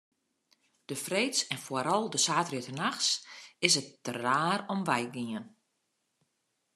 De freeds en foaral de saterdeitenachts is it der raar om wei gien.